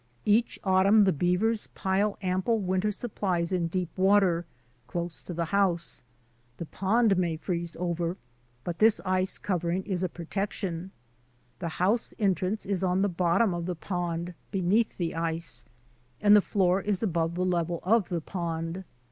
Each autumn the beavers pile ample winter supplies in deep water close to the house. The pond may freeze over, but this ice covering is a protection. The house entrance is on the bottom of the pond beneath the ice, and the floor is above the level of the pond.